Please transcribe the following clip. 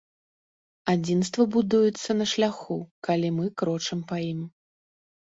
Адзінства будуецца на шляху, калі мы крочым па ім.